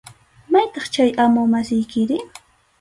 ¿Maytaq chay amu masiykiri?